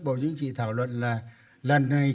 bộ chính trị thảo luận là lần này